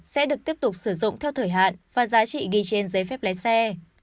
sẽ được tiếp tục sử dụng theo thời hạn và giá trị ghi trên giấy phép lái xe